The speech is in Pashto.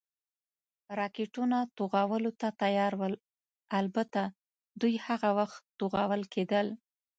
راکټونه، توغولو ته تیار ول، البته دوی هغه وخت توغول کېدل.